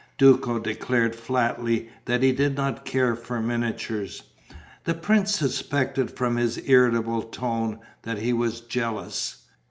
Duco declared flatly that he did not care for miniatures. The prince suspected from his irritable tone that he was jealous.